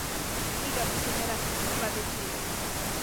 Dígame, señora Cimadevila.